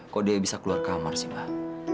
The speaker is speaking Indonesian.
kok dia bisa keluar kamar sih mbak